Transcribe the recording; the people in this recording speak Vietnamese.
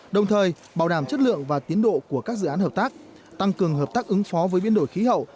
đồng thời bảo đảm chất lượng và tiến độ của các dự án hợp tác tăng cường hợp tác ứng phó với biến đổi khí hậu